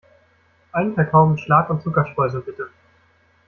Einen Kakao mit Schlag und Zuckerstreuseln, bitte.